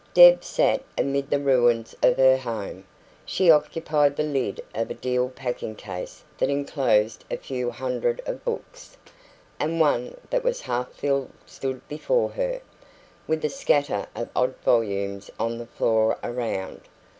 Deb sat amid the ruins of her home. She occupied the lid of a deal packing case that enclosed a few hundreds of books, and one that was half filled stood before her, with a scatter of odd volumes on the floor around.